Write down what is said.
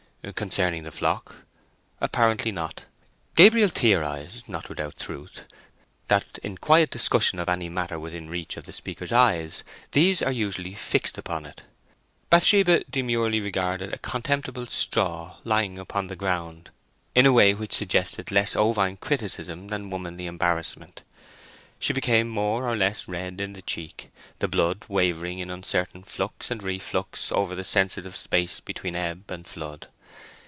Concerning the flock? Apparently not. Gabriel theorized, not without truth, that in quiet discussion of any matter within reach of the speakers' eyes, these are usually fixed upon it. Bathsheba demurely regarded a contemptible straw lying upon the ground, in a way which suggested less ovine criticism than womanly embarrassment. She became more or less red in the cheek, the blood wavering in uncertain flux and reflux over the sensitive space between ebb and flood.